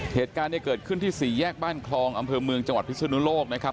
เหตุการณ์เนี่ยเกิดขึ้นที่สี่แยกบ้านคลองอำเภอเมืองจังหวัดพิศนุโลกนะครับ